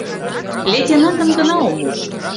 — Лейтенантым гына ом уж.